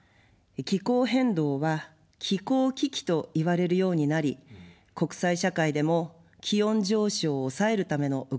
気候変動は気候危機といわれるようになり、国際社会でも気温上昇を抑えるための動きが活発です。